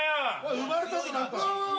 生まれたぞ何か。